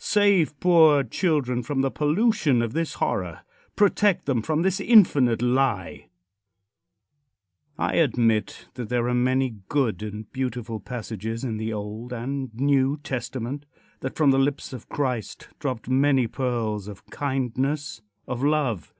Save poor children from the pollution of this horror. Protect them from this infinite lie. IX. CONCLUSION. I admit that there are many good and beautiful passages in the Old and New Testament; that from the lips of Christ dropped many pearls of kindness of love.